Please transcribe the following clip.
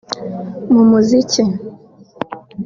mu muziki